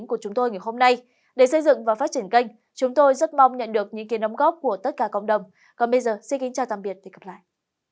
cảm ơn các bạn đã theo dõi và hẹn gặp lại